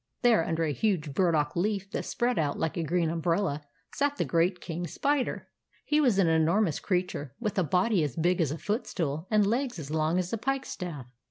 There, under a huge burdock leaf that spread out like a green umbrella, sat the great King Spider. He was an enormous creature, with a body as big as a footstool, and legs as long as a pikestaff.